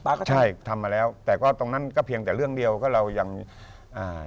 ก็ใช่ทำมาแล้วแต่ก็ตรงนั้นก็เพียงแต่เรื่องเดียวก็เรายังอ่า